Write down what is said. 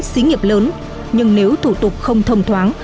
xí nghiệp lớn nhưng nếu thủ tục không thông thoáng